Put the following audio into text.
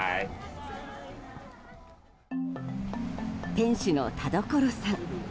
店主の田所さん。